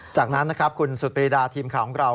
จากนั้นนะครับคุณสุดปรีดาทีมข่าวของเรา